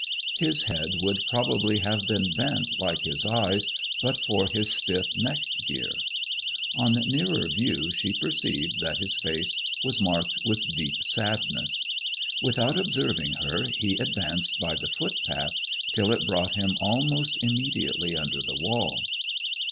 His head would probably have been bent like his eyes but for his stiff neck gear. On nearer view she perceived that his face was marked with deep sadness. Without observing her, he advanced by the footpath till it brought him almost immediately under the wall.